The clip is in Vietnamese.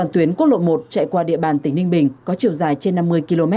tuyến quốc lộ một chạy qua địa bàn tỉnh ninh bình có chiều dài trên năm mươi km